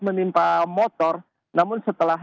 menimpa motor namun setelah